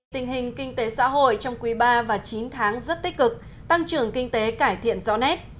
tình hình kinh tế xã hội trong quý ba và chín tháng rất tích cực tăng trưởng kinh tế cải thiện rõ nét